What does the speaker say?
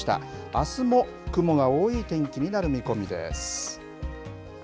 あすも雲が多い天気になる見込みです。